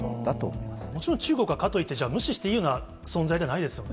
もちろん中国は、かといってじゃあ、無視していいような存在じゃないですよね。